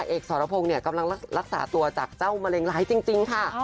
เอกสรพงศ์เนี่ยกำลังรักษาตัวจากเจ้ามะเร็งร้ายจริงค่ะ